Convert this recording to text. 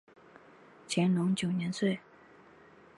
乾隆九年卒。